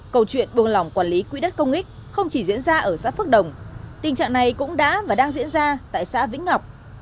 câu chuyện buồng lòng quản lý quỹ đất công ích không chỉ diễn ra ở xã phước đồng tình trạng này cũng đã và đang diễn ra tại xã vĩnh ngọc